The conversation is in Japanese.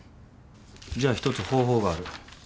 じゃあ一つ方法がある。